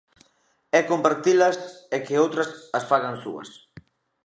É compartilas e que outras as fagan súas.